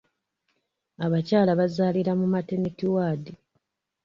Abakyala bazaalira mu mateniti waadi.